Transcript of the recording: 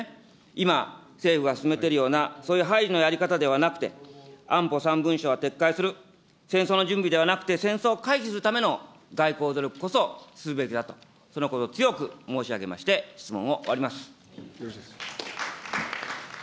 今、政府が進めているようなそういう排除のやり方ではなくて、安保３文書は撤回する、戦争の準備ではなくて戦争を回避するための外交努力こそするべきだと、そのことを強く申し上げて、質問を終わります。